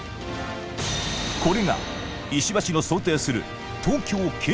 これが石破氏の想定する